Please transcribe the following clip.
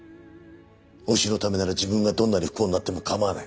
推しのためなら自分がどんなに不幸になっても構わない。